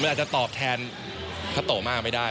ผมอาจจะตอกแทนคาโตะมากไม่ได้